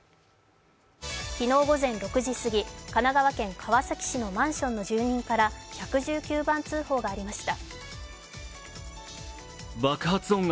昨日午前６時過ぎ、神奈川県川崎市のマンションの住人から１１９番通報がありました。